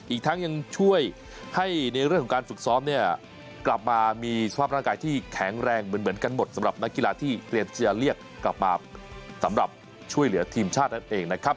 อีกทั้งยังช่วยให้ในเรื่องของการฝึกซ้อมเนี่ยกลับมามีสภาพร่างกายที่แข็งแรงเหมือนกันหมดสำหรับนักกีฬาที่เตรียมที่จะเรียกกลับมาสำหรับช่วยเหลือทีมชาตินั่นเองนะครับ